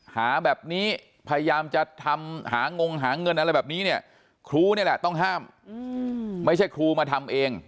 หาแบบนี้พยายามจะทำหางงหาเงินอะไรแบบนี้เนี่ยครูนี่แหละต้องห้ามไม่ใช่ครูมาทำเอง